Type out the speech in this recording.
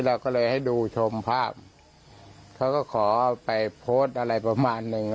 เราก็เลยให้ดูชมภาพเขาก็ขอไปโพสต์อะไรประมาณหนึ่ง